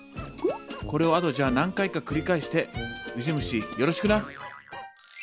これをあとじゃあ何回か繰り返してウジ虫よろしくな。